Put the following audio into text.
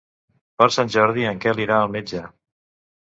Per Sant Jordi en Quel irà al metge.